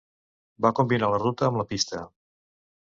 Va combinar la ruta amb la pista.